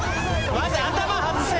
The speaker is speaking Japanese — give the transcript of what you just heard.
まず頭外せ！